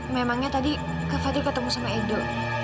memangnya tadi kak fadli ketemu sama edo